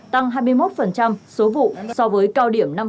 tăng hai mươi một số vụ so với cao điểm năm hai nghìn hai mươi